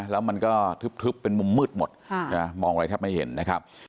แล้วมันก็ทึบเป็นมุมมืดหมดมองอะไรแทบไม่เห็นนะครับ